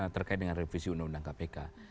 terkait dengan revisi undang undang kpk